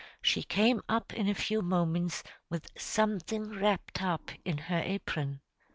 She came up in a few moments with something wrapped up in her apron.